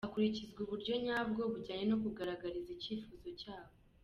Hakurikizwa uburyo nyabwo bujyanye no kugaragaza icyifuzo cyabo.